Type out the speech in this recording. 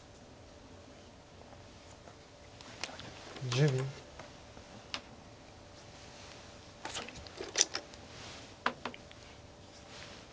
１０秒。